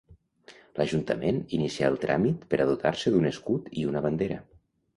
L'Ajuntament inicià el tràmit per a dotar-se d'un escut i una bandera.